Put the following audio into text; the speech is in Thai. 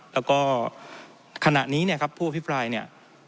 แล้วก็ขณะนี้เนี่ยครับผู้อภิปรายเนี่ย